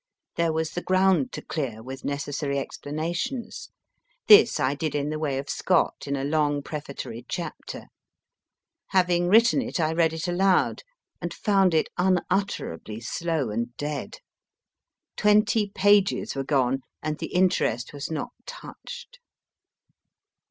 There was the ground to clear with necessary explanations. This I did in the way of Scott in a long prefatory chapter. Having written it I read it aloud, and found it unutterably MRS. HALL CAINE (From a photograph by A. M. l\ttit) slow and dead. Twenty pages were gone, and the interest was not touched.